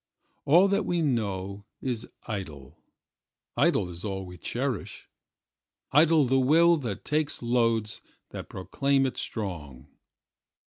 All that we know is idle; idle is all we cherish; Idle the will that takes loads that proclaim it strong.